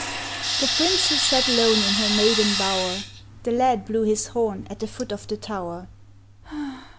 The Princess sat lone in her maiden bower, The lad blew his horn at the foot of the tower.